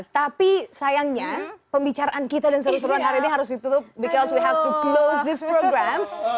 tapi sayangnya pembicaraan kita dan seluruh seluruhan hari ini harus ditutup karena kita harus mengutuk program ini